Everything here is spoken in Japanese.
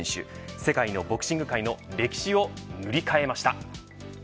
世界のボクシング界の歴史を塗り替えました。